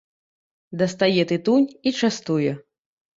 Дастае тытунь і частуе.